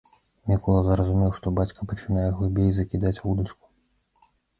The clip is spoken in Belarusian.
Мікола зразумеў, што бацька пачынае глыбей закідаць вудачку.